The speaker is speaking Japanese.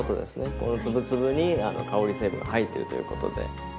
この粒々に香り成分が入ってるということで。